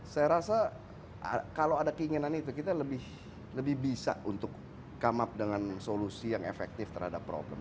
saya rasa kalau ada keinginan itu kita lebih bisa untuk come up dengan solusi yang efektif terhadap problem